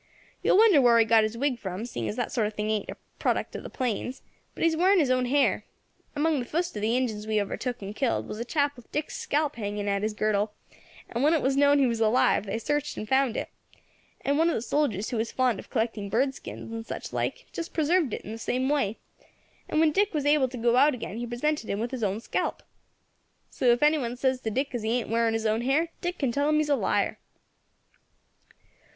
"You will wonder whar he got his wig from, seeing as that sort of thing ain't a product of the plains; but he is wearing his own hair. Among the fust of the Injins we overtook and killed was a chap with Dick's scalp hanging at his girdle, and when it was known as he was alive they searched and found it; and one of the soldiers who was fond of collecting bird skins, and such like, just preserved it in the same way, and when Dick was able to go out again he presented him with his own scalp. So if any one says to Dick as he ain't wearing his own hair, Dick can tell him he is a liar.